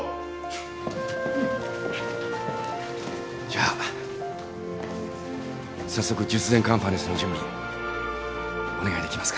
じゃあ早速術前カンファレンスの準備お願いできますか？